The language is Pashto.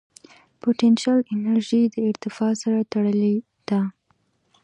پټنشل انرژي د ارتفاع سره تړلې ده.